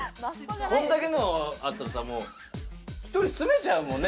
こんだけあったら１人住めちゃうもんね。